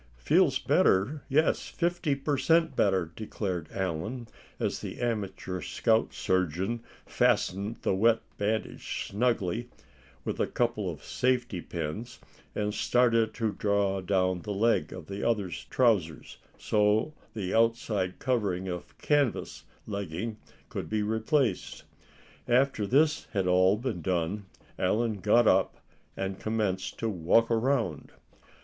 "Feels better, yes, fifty per cent better," declared Allan, as the amateur scout surgeon fastened the wet bandage snugly with a couple of safety pins, and started to draw down the leg of the other's trousers, so the outside covering of canvas legging could be replaced. After this had all been done, Allan got up, and commenced to walk around.